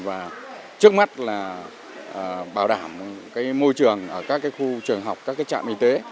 và trước mắt là bảo đảm cái môi trường ở các cái khu trường học các cái trạm y tế